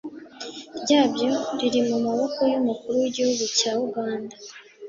ryabyo riri mu maboko y'umukuru w'igihugu cyaa uganda.